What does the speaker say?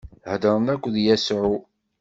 Heddṛen akked Yasuɛ.